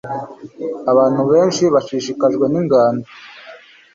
Abantu benshi bashishikajwe ningando